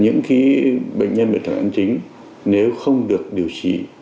những khi bệnh nhân bị tắc nghẽn mãn tính nếu không được điều trí